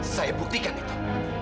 saya buktikan itu